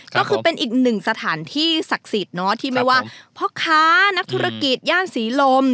ก็คือเป็นอีกหนึ่งสถานที่ศักดิ์สิทธิ์เนอะที่ไม่ว่าพ่อค้านักธุรกิจย่านศรีลม